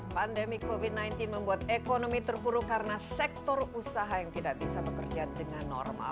pandemi covid sembilan belas membuat ekonomi terpuruk karena sektor usaha yang tidak bisa bekerja dengan normal